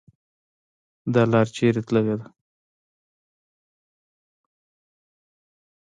.دا لار چیري تللې ده؟